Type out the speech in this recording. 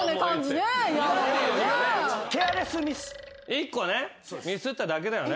１個ねミスっただけだよね。